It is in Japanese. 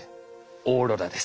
オーロラです。